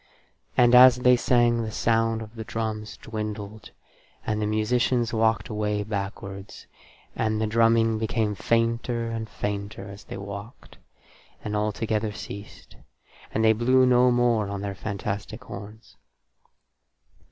And, as they sang, the sound of the drums dwindled, and the musicians walked away backwards, and the drumming became fainter and fainter as they walked, and altogether ceased, and they blew no more on their fantastic horns.